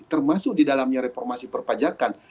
termasuk di dalamnya reformasi perpajakan